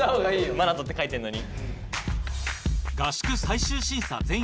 ・「マナト」って書いてんのに？